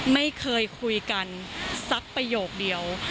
ไม่เคยคุยกันสักประโยคเดียว